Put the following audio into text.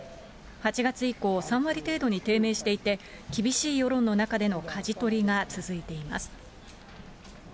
８月以降、３割程度に低迷していて、厳しい世論の中でのかじ取りが続いています。